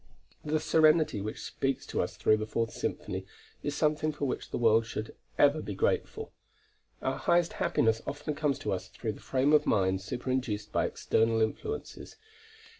The serenity which speaks to us through the Fourth Symphony is something for which the world should ever be grateful. Our highest happiness often comes to us through the frame of mind superinduced by external influences.